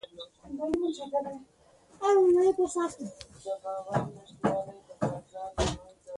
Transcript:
په دې باراني هوا کې ښکلې ښکارېده، د یوې پلورنځۍ مخې ته ودریدو.